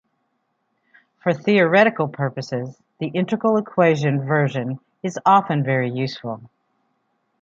For theoretical purposes, the integral equation version is often very useful.